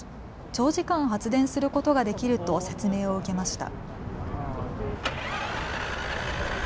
長時間発電することができると説明を受けました。